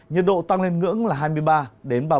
nhiệt độ tăng lên ngưỡng là hai mươi ba ba mươi ba